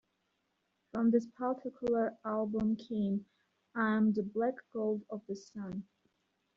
From this particular album came "I Am the Black Gold of the Sun".